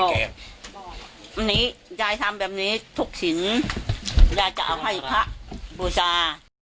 วันนี้ยายทำแบบนี้ทุกชิ้นยายจะเอาให้พระบูชา